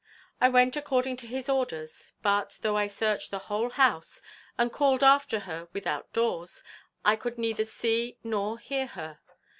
I went according to his orders; but, though I searched the whole house and called after her without doors, I could neither see nor hear her.